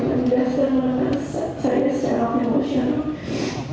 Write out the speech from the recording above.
menjastankan saya secara emosional